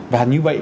và như vậy